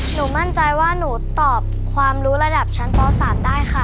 หนูมั่นใจว่าหนูตอบความรู้ระดับชั้นป๓ได้ค่ะ